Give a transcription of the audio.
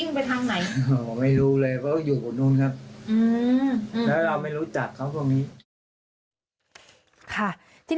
ซึ่งเราก็ไม่เห็นเลยว่าคนปล่อยเห็นวิ่งไปทางไหน